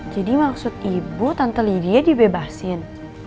jadi maksud ibu tante lydia dibebasin